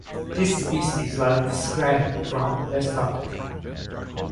This species was described from West Africa.